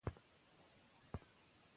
ښه دی سترګي دي دنیا ته روڼي نه کړې